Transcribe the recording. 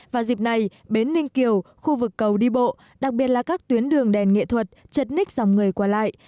vào dịp này bến ninh kiều khu vực cầu đi bộ đặc biệt là các tuyến đường đèn nghệ thuật chật ních dòng người qua lại